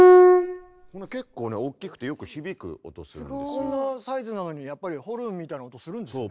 こんなサイズなのにやっぱりホルンみたいな音するんですね。